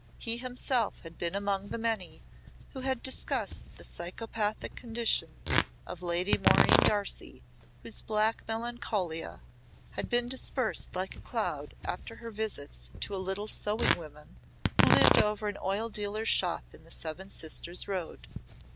He himself had been among the many who had discussed the psychopathic condition of Lady Maureen Darcy, whose black melancholia had been dispersed like a cloud after her visits to a little sewing woman who lived over an oil dealer's shop in the Seven Sisters Road.